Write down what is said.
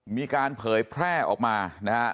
มีการเผยแพร่ออกมานะฮะ